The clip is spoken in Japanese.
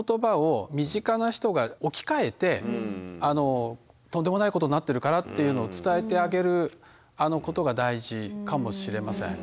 一度そういったとんでもないことになってるからっていうのを伝えてあげることが大事かもしれません。